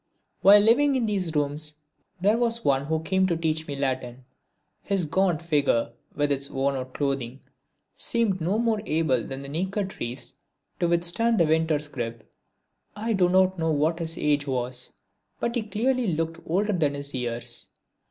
While living in these rooms there was one who came to teach me Latin. His gaunt figure with its worn out clothing seemed no more able than the naked trees to withstand the winter's grip. I do not know what his age was but he clearly looked older than his years.